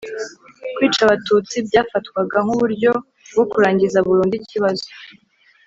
Kwica Abatutsi byafatwaga nk’uburyo bwo kurangiza burundu ikibazo